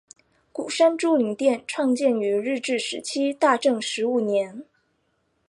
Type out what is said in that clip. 鼓山珠灵殿创建于日治时期大正十五年。